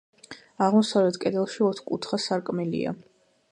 აღმოსავლეთ კედელში ოთკუთხა სარკმელია.